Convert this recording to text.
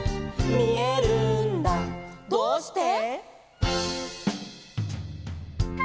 「どうして？」